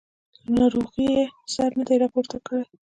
له ناروغۍ یې سر نه دی راپورته کړی.